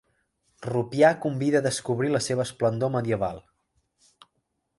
Rupià convida a descobrir la seva esplendor medieval.